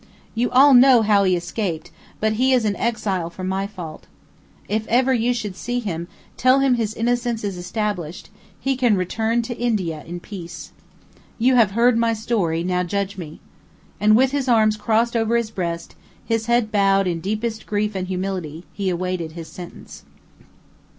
You all know how he escaped, but he is an exile for my fault. If ever you should see him, tell him his innocence is established; he can return to India in peace. You have heard my story, now judge me;" and with arms crossed over his breast, his head bowed in deepest grief and humility, he waited his sentence.